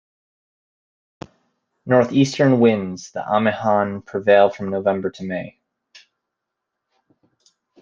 Northestern winds, the amihan prevail from November to May.